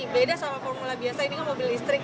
beda sama formula biasa ini kan mobil listrik